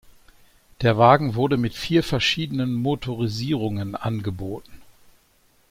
Der Wagen wurde mit vier verschiedenen Motorisierungen angeboten.